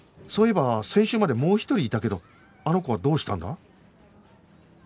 そういえば先週までもう一人いたけどあの子はどうしたんだ？